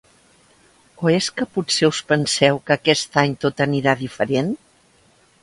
O és que potser us penseu que aquest any tot anirà diferent?